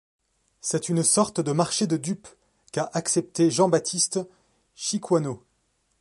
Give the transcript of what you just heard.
C'est une sorte de marché de dupe qu'a accepté Jean Baptiste Chicoyneau.